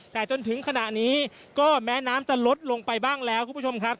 แต่จนถึงขณะนี้ก็แม้น้ำจะลดลงไปบ้างแล้วคุณผู้ชมครับ